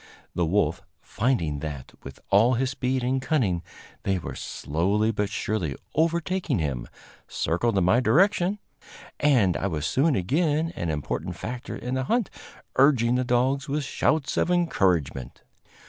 The wolf, finding that, with all his speed and cunning, they were slowly but surely overtaking him, circled in my direction, and I was soon again an important factor in the hunt, urging the dogs with shouts of encouragement.